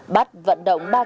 bắt vận động bắt bắt